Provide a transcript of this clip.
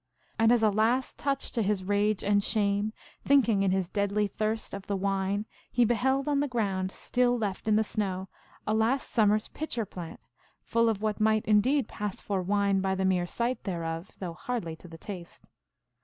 And as a last touch to his rage and shame, thinking in his deadly thirst of the wine, he beheld 011 the ground, still left in the snow, a last summer s pitcher plant, half full of what might indeed pass for wine by the mere sight thereof, though hardly to the taste.